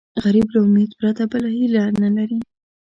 غریب له امید پرته بله هیله نه لري